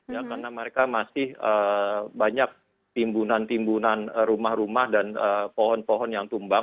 ya karena mereka masih banyak timbunan timbunan rumah rumah dan pohon pohon yang tumbang